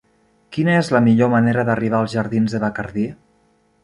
Quina és la millor manera d'arribar als jardins de Bacardí?